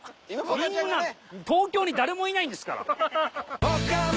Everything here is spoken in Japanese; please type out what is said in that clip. みんな東京に誰もいないんですから。